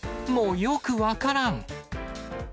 もうよく分からん。